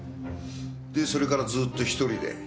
でそれからずっと１人で。